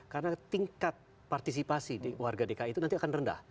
karena tingkat partisipasi warga dki itu nanti akan rendah